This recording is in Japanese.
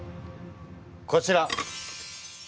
こちら！